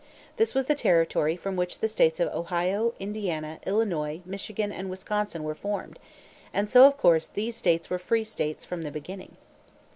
This was the territory from which the states of Ohio, Indiana, Illinois, Michigan, and Wisconsin were formed; and so, of course, these states were free states from the beginning.